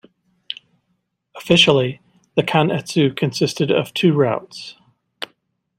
Officially, the Kan-Etsu consists of two routes.